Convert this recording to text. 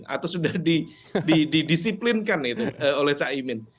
atau sudah didisiplinkan oleh cak imin